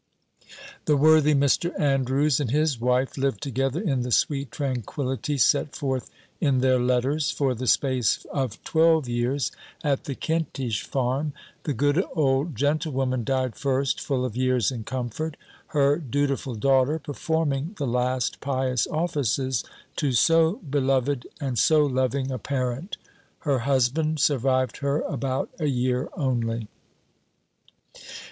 The worthy Mr. ANDREWS, and his wife, lived together in the sweet tranquillity set forth in their letters, for the space of twelve years, at the Kentish farm: the good old gentlewoman died first, full of years and comfort, her dutiful daughter performing the last pious offices to so beloved and so loving a parent: her husband survived her about a year only.